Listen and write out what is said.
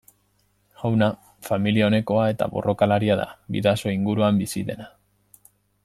Jauna familia onekoa eta borrokalaria da, Bidasoa inguruan bizi dena.